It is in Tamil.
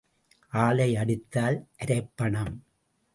ஆளை அடித்தால் அரைப்பணம்.